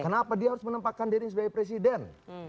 menjadikan sebagai presiden